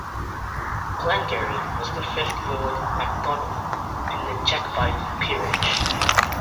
Glengarry was the fifth Lord MacDonell in the Jacobite peerage.